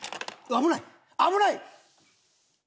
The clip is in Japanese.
危ない！